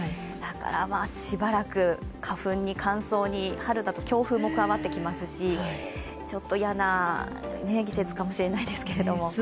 だから、しばらく花粉に乾燥に春だと強風も加わってきますし、嫌な季節かもしれないですけれども。